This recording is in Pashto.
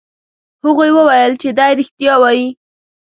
هغوی وویل چې دی رښتیا وایي.